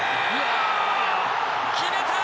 決めた！